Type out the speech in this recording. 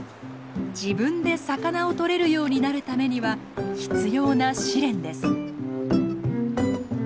自分で魚を取れるようになるためには必要な試練です。